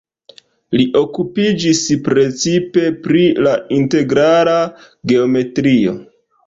Li okupiĝis precipe pri la integrala geometrio.